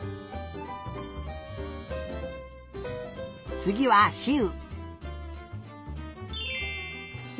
つぎはしう。